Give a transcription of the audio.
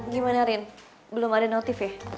gimana rin belum ada notif ya